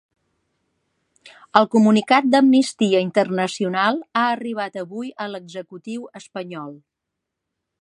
El comunicat d'Amnistia Internacional ha arribat avui a l'executiu espanyol